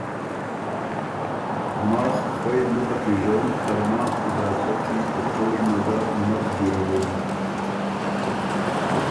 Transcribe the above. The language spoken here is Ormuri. ماخ خوئ مُخه کی ژون، ترماخ علاقه کی په کوژ نظر مک جیرَوون۔